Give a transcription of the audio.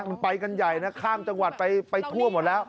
มันไปกันใหญ่นะข้ามจังหวัดไปทั่วหมดแล้ว